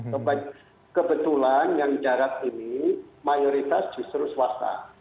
coba kebetulan yang darat ini mayoritas justru swasta